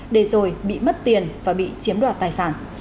để rồi bị mất tiền và bị chiếm đoạt tài sản